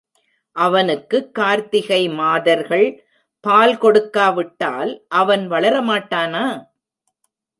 அவனுக்குக் கார்த்திகை மாதர்கள் பால் கொடுக்காவிட்டால் அவன் வளர மாட்டானா?